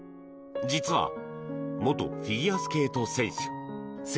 実は元フィギュアスケート選手。